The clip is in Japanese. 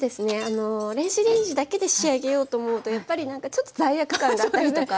電子レンジだけで仕上げようと思うとやっぱりなんかちょっと罪悪感があったりとか。